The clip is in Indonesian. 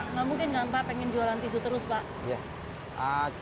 tidak mungkin tidak pak pengen jualan tisu terus pak